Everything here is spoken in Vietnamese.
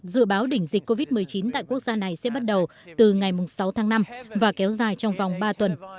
dự báo đỉnh dịch covid một mươi chín tại quốc gia này sẽ bắt đầu từ ngày sáu tháng năm và kéo dài trong vòng ba tuần